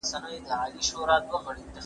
ایا د خولې ضد توکي د سرطان سبب ګرځي؟